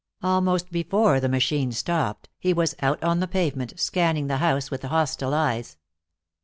Almost before the machine stopped he was out on the pavement, scanning the house with hostile eyes.